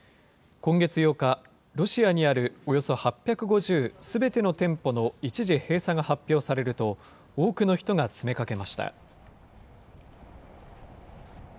今月８日、ロシアにあるおよそ８５０、すべての店舗の一時閉鎖が発表されると、多くの人が詰めかけました。